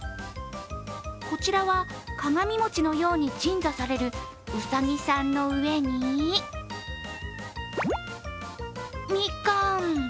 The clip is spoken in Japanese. こちらは、鏡餅のように鎮座されるうさぎさんの上にみかん。